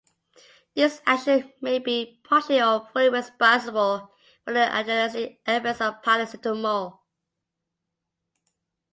This action may be partially or fully responsible for the analgesic effects of paracetamol.